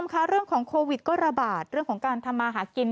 ค่ะเรื่องของโควิดก็ระบาดเรื่องของการทำมาหากิน